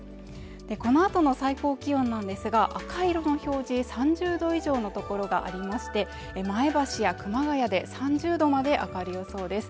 このあとの最高気温なんですが赤色の表示３０度以上の所がありまして前橋や熊谷で３０度まで上がる予想です